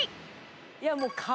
いやもう壁！